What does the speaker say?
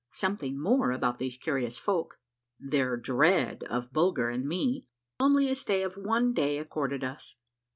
— SOMETHING MORE ABOUT THESE CURIOUS FOLK. — THEIR DREAD OF BULGER AND ME. ONLY A STAY OF ONE DAY ACCORDED US.